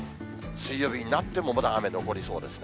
水曜日になってもまだ雨残りそうですね。